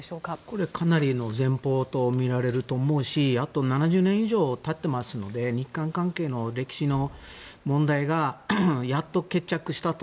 これはかなりの前進とみられると思うしあと、７０年以上たってますので日韓関係の歴史の問題がやっと決着したと。